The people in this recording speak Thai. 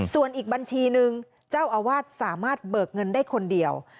ส่วนอีกบัญชีนึงเจ้าอาวาสสามารถเบิกเงินได้คนเดียว